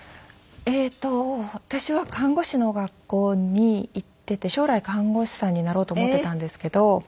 えーっと私は看護師の学校に行っていて将来看護師さんになろうと思っていたんですけど。